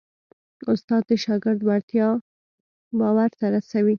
استاد د شاګرد وړتیا باور ته رسوي.